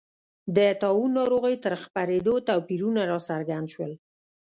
د طاعون ناروغۍ تر خپرېدو توپیرونه راڅرګند شول.